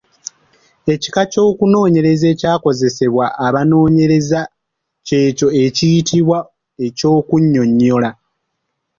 Ekika ky'okunoonyereza ekyakozesebwa abanoonyereza ky'ekyo ekiyitibwa eky'okunnyonnyola.